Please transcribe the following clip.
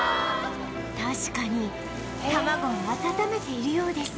確かに卵を温めているようです